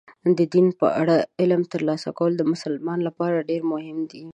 د دین په اړه علم ترلاسه کول د مسلمان لپاره ډېر مهم دي.